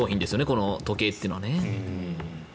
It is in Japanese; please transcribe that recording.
この時計というのは。